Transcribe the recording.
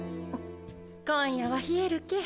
今夜は冷えるけぇ